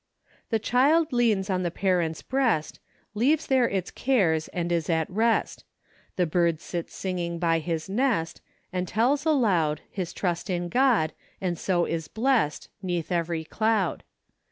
" Tlie child leans on its parent's breast, Leaves there its cares and is at rest; The bird sits singing by his nest, And tells aloud His trust in God, and so is blest 'Neath every cloud.